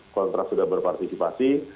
kalau terasa sudah berpartisipasi